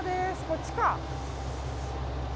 こっちか。